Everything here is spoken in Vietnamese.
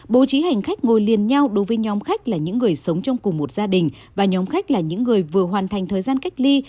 bố trí hành khách ngồi liền nhau đối với nhóm khách là những người sống trong cùng một gia đình và nhóm khách là những người vừa hoàn thành thời gian cách ly